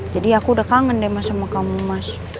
jadi aku udah kangen deh sama kamu mas